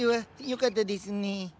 よかったですね。